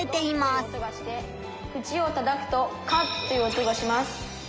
「ふちをたたくと『カッ』という音がします」。